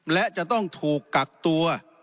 และจะต้องถูกกักตัว